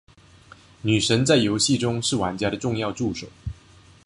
女神在游戏中是玩家的重要助手。